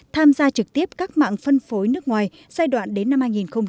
tham gia trực tiếp các mạng phân phối nước ngoài giai đoạn đến năm hai nghìn hai mươi